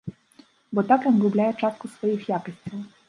Бо так ён губляе частку сваіх якасцяў.